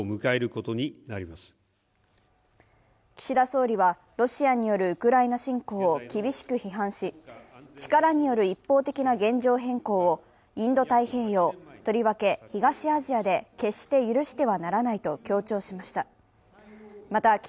岸田総理は、ロシアによるウクライナ侵攻を厳しく批判し、力による一方的な現状変更をインド太平洋、とりわけ東アジアで決して許してはならないと強調しました。